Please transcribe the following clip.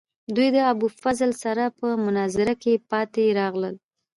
دوی له ابوالفضل سره په مناظره کې پاتې راغلل.